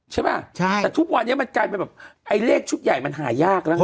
ใช่ป่ะใช่แต่ทุกวันนี้มันกลายเป็นแบบไอ้เลขชุดใหญ่มันหายากแล้วนะ